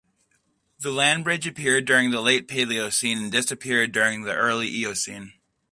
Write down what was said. The land bridge appeared during the Late Paleocene and disappeared during the early Eocene.